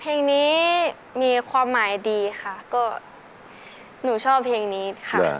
เพลงนี้มีความหมายดีค่ะก็หนูชอบเพลงนี้ค่ะ